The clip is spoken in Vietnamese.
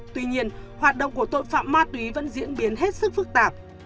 tuy nhiên hoạt động của tội phạm ma túy vẫn diễn biến hết sức phức tạp